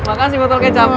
makasih botol kecap